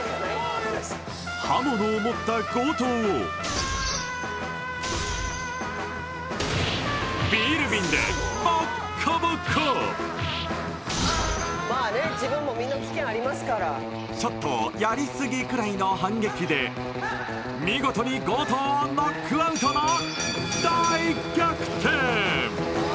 刃物を持った強盗をまあね自分も身の危険ありますからちょっとやりすぎくらいの反撃で見事に強盗をノックアウトの大逆転！